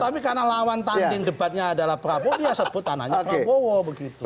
tapi karena lawan tanding debatnya adalah prabowo dia sebut tanahnya prabowo begitu